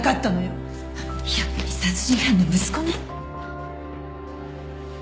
やっぱり殺人犯の息子ね